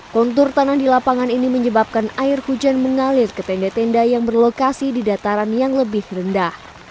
kontur tanah di lapangan ini menyebabkan air hujan mengalir ke tenda tenda yang berlokasi di dataran yang lebih rendah